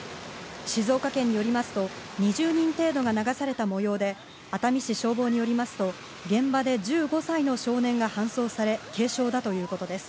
静岡県によりますと、２０人程度が流されたもようで、熱海市消防によりますと、現場で１５歳の少年が搬送され、軽傷だということです。